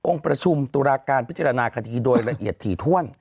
ประชุมตุลาการพิจารณาคดีโดยละเอียดถี่ถ้วน